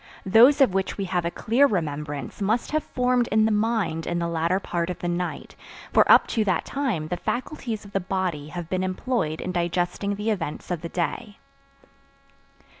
Those of which we have a clear remembrance must have formed in the mind in the latter part of the night, for up to that time the faculties of the body have been employed in digesting the events of the day.